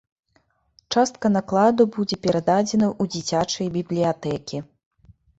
Частка накладу будзе перададзена ў дзіцячыя бібліятэкі.